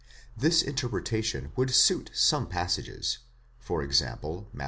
This interpretation would suit some passages; for example, Matt.